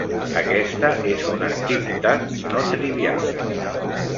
Aquesta és una activitat no trivial.